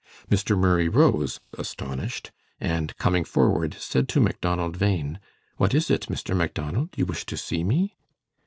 Mr. Murray rose astonished, and coming forward, said to Macdonald Bhain: "What is it, Mr. Macdonald? You wish to see me?"